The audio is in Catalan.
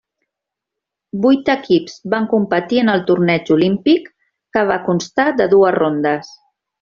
Vuit equips van competir en el torneig Olímpic, que va constar de dues rondes.